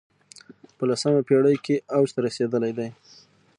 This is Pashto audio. په لسمه پېړۍ کې اوج ته رسېدلی دی